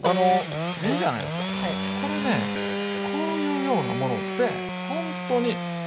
いいじゃないですかこれねこういうようなものってほんとに。